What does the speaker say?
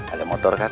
ada motor kan